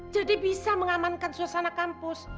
jadi bisa mengamankan suasana kampus